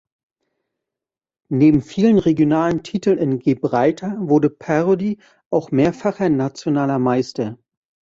Neben vielen regionalen Titeln in Gibraltar wurde Parody auch mehrfacher nationaler Meister.